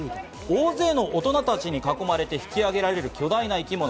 大勢の大人たちに囲まれて引きあげられる巨大な生き物。